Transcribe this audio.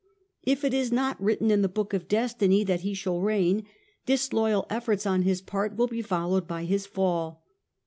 If it is not written in the book of destiny that he shall reign, disloyal efforts on his part will be followed by his fall.